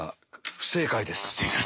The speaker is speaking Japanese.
不正解です。